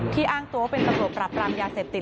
อ้างตัวว่าเป็นตำรวจปรับปรามยาเสพติด